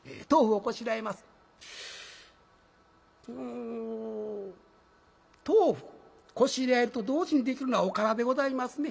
お豆腐こしらえると同時にできるのはおからでございますね。